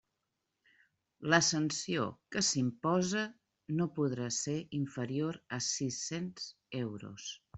La sanció que s'impose no podrà ser inferior a sis-cents euros.